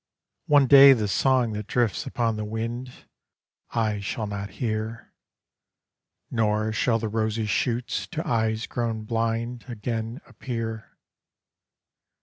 One day the song that drifts upon the wind, I shall not hear; Nor shall the rosy shoots to eyes grown blind Again appear.